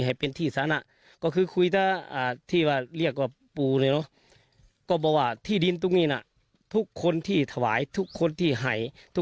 ให้กันได้ด้วยไม่นานจะได้